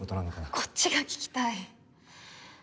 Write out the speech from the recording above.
こっちが聞きたい！